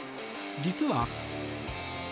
実は。